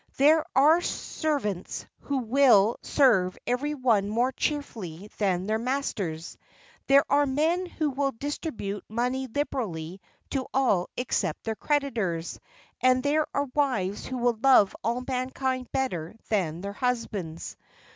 There are servants who will serve every one more cheerfully than their masters; there are men who will distribute money liberally to all except their creditors; and there are wives who will love all mankind better than their husbands.